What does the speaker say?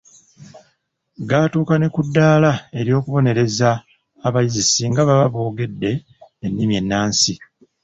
Gatuuka ne ku ddaala ery’okubonereza abayizi singa baba boogedde ennimi ennansi.